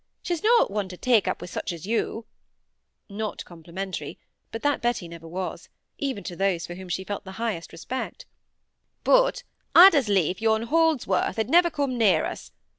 She's not one to take up wi' such as you," (not complimentary, but that Betty never was, even to those for whom she felt the highest respect,) "but I'd as lief yon Holdsworth had never come near us.